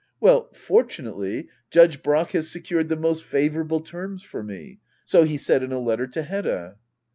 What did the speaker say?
Well, fortunately. Judge Brack has secured the most favourable terms for me, — so he said in a letter to Hedda.